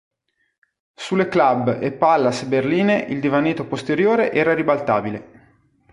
Sulle Club e Pallas berline il divanetto posteriore era ribaltabile.